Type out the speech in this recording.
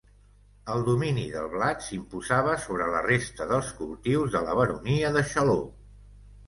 El domini del blat s'imposava sobre la resta dels cultius de la Baronia de Xaló.